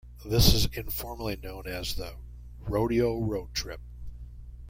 This is informally known as the "Rodeo Road Trip".